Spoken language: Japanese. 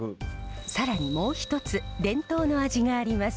更にもう一つ伝統の味があります。